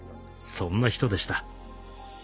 そんな人でした。